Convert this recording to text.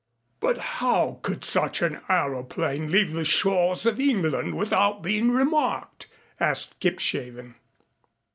"But how could such an aëroplane leave the shores of England without being remarked?" asked Kipshaven.